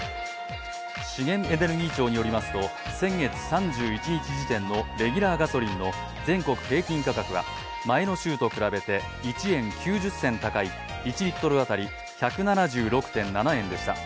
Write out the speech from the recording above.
資源エネルギー庁によりますと先月３１日時点のレギュラーガソリンの全国平均価格は前の週と比べて１円９０銭高い１リットル当たり１７６．７円でした。